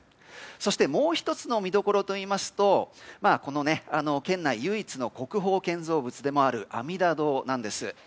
そしてもう１つの見どころといいますと県内唯一の国宝建造物でもある阿弥陀堂なんです。